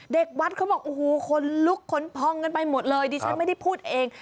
เด็กวัดเขาบอกโอ้โหคนลุกขนพองกันไปหมดเลยดิฉันไม่ได้พูดเอง